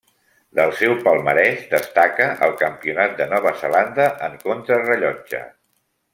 Del seu palmarès destaca el Campionat de Nova Zelanda en contrarellotge.